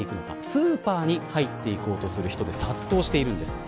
スーパーに入っていこうとする人で殺到しているんです。